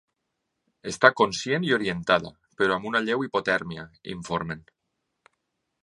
Està conscient i orientada, però amb una lleu hipotèrmia, informen.